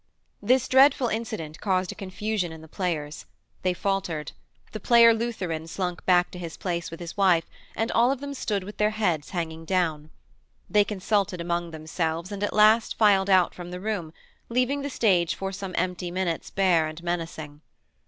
This dreadful incident caused a confusion in the players: they faltered: the player Lutheran slunk back to his place with his wife, and all of them stood with their hands hanging down. They consulted among themselves and at last filed out from the room, leaving the stage for some empty minutes bare and menacing.